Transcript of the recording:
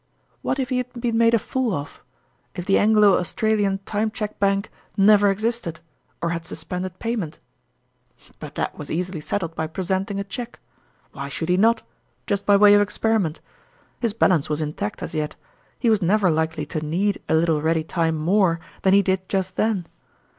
What if he had been made a fool of if the Anglo Australian Time Cheque Bank never existed, or had sus pended payment ? But that was easily settled by presenting a cheque. Why should he not, just by way of experiment ? His balance was intact as yet ; he was never likely to need a little ready time more than he did just then.